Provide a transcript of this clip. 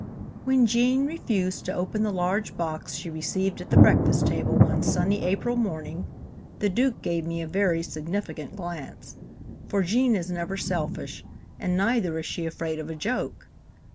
WHEN Gene refused to open the large box she received at the breakfast table one sunny April morning, the Duke gave me a very significant glance, for Gene is never selfish, and neither is she afraid of a joke.